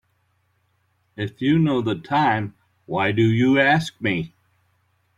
If you know the time why do you ask me?